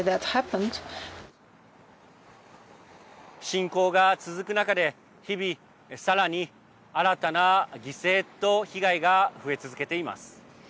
侵攻が続く中で日々、さらに新たな犠牲と被害が増え続けています。